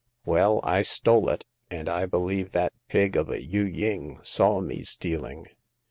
Well, I stole it, and I believe that pig of a Yu ying saw me stealing.